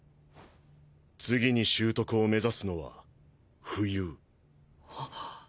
次に習得を目指すのは浮遊。